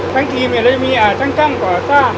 ทางทีมเนี่ยเราจะมีช่างบ่อสร้าง